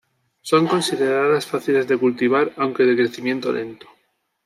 Son consideradas fáciles de cultivar aunque de crecimiento lento.